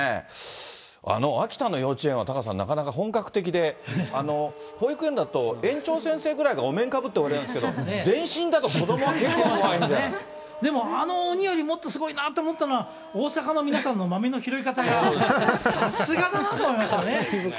あの秋田の幼稚園はタカさん、なかなか本格的で、保育園だと、園長先生ぐらいがお面かぶってやるんですけど、全身だと子どもはでも、あの鬼よりもっとすごいなと思ったのは、大阪の皆さんの豆の拾い方が、さすがだなと思いましたね。